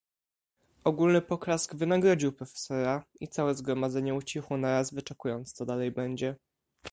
"Ogólny poklask wynagrodził profesora i całe zgromadzenie ucichło naraz, wyczekując, co dalej będzie."